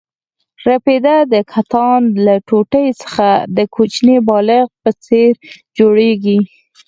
رپیده د کتان له ټوټې څخه د کوچني بالښت په څېر جوړېږي.